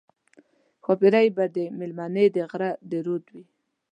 ښاپېرۍ به مېلمنې د غره د رود وي